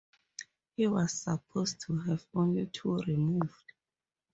He was supposed to have only two removed.